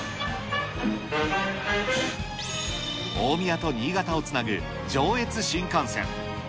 大宮と新潟をつなぐ上越新幹線。